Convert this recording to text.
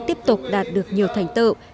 tiếp tục đạt được nhiều thành tựu